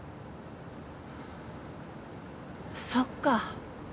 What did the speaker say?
そっか。